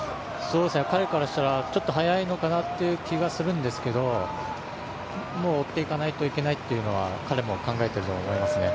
彼からしたらちょっと早いのかなという気はするんですけどもう追っていかないといけないというのは彼も考えていると思いますね。